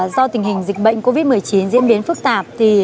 do tình hình dịch bệnh covid một mươi chín diễn biến phức tạp